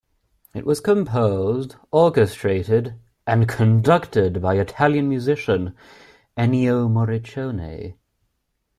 It was composed, orchestrated, and conducted by Italian musician Ennio Morricone.